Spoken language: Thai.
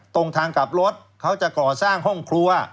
ตรงทางกลับรถเขาจะก่อสร้างห้องครัว